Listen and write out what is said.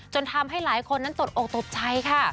ทำให้หลายคนนั้นตกอกตกใจค่ะ